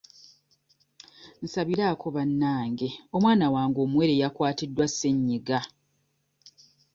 Nsabiraako bannange omwana wange omuwere yakwatiddwa ssenyiga.